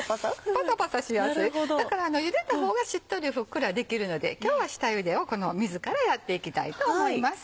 パサパサしやすいだからゆでた方がしっとりふっくらできるので今日は下ゆでをこの水からやっていきたいと思います。